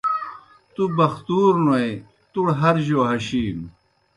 تُوْ بَختُور نوئے تُوْڑ ہر جو ہشِینوْ۔